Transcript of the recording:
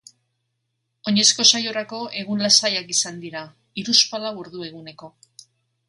Oinezko saiorako egun lasaiak izan dira, hiruzpalau ordu eguneko.